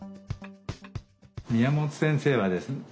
宮本先生はですね